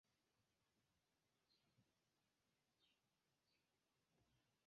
kodo